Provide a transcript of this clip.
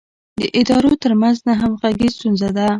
د ادارو ترمنځ نه همغږي ستونزه ده.